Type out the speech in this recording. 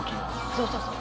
そうそう。